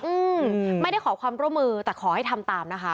อืมไม่ได้ขอความร่วมมือแต่ขอให้ทำตามนะคะ